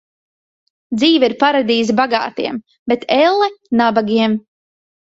Dzīve ir paradīze bagātiem, bet elle nabagiem.